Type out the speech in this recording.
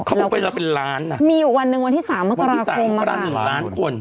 เขาบอกว่าจะเป็นล้านน่ะมีอยู่วันหนึ่งวันที่สามเมื่อกราคมมาก่อนวันที่สามก็ได้หนึ่งล้านคน